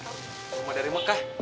rumah dari mekah